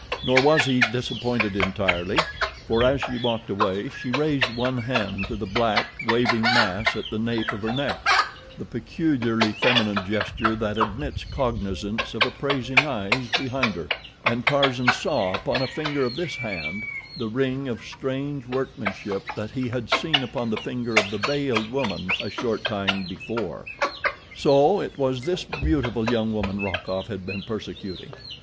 Nor was he disappointed entirely, for as she walked away she raised one hand to the black, waving mass at the nape of her neck—the peculiarly feminine gesture that admits cognizance of appraising eyes behind her—and Tarzan saw upon a finger of this hand the ring of strange workmanship that he had seen upon the finger of the veiled woman a short time before. So it was this beautiful young woman Rokoff had been persecuting.